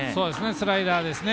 スライダーですね。